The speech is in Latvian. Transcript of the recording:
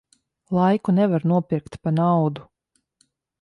Laiku nevar nopirkt pa naudu.